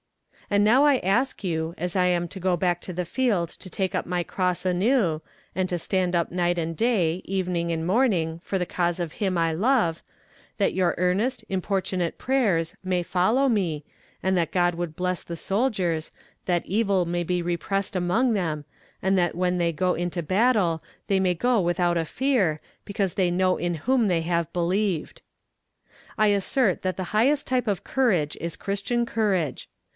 And now I ask you, as I am to go back to the field to take up my cross anew, and to stand up night and day, evening and morning, for the cause of Him I love, that your earnest, importunate prayers may follow me, and that God would bless the soldiers, that evil may be repressed among them, and that when they go into battle they may go without a fear, because they know in whom they have believed. "I assert that the highest type of courage is christian courage.